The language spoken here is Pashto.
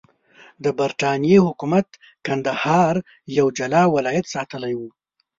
د برټانیې حکومت کندهار یو جلا ولایت ساتلی وو.